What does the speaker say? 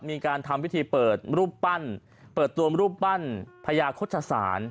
มีการทำพิธีเปิดรูปปั้นเปิดตัวรูปปั้นพญาโฆษศาล